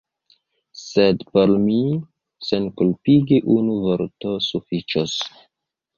Sed por min senkulpigi unu vorto sufiĉos.